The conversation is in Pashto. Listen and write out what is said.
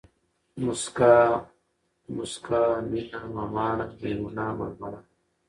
موسکا ، مُسکا، مينه ، مماڼه ، ميمونه ، ململه